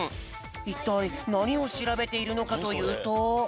いったいなにをしらべているのかというと。